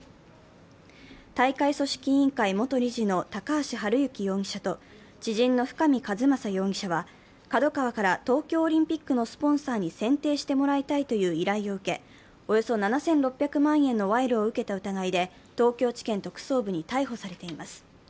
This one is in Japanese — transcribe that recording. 大会組織委員会元理事の高橋治之容疑者と知人の深見和政容疑者は、ＫＡＤＯＫＡＷＡから東京オリンピックのスポンサーに選定してもらいたいという依頼を受けおよそ７６００万円の賄賂を受けた疑いで東京地検特捜部に逮捕されています。